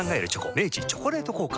明治「チョコレート効果」